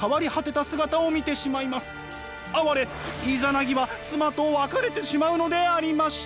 あわれイザナギは妻と別れてしまうのでありました。